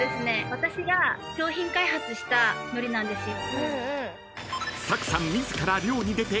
私が商品開発したのりなんですよ。